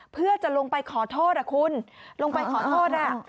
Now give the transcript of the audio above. เพื่อจะลงไปขอโทษคุณลงไปขอโทษ